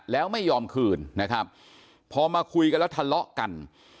แล้วไม่ยอมคืนนะครับพอมาคุยกันแล้วทะเลาะกัน